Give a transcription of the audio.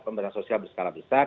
pembangunan sosial berskala besar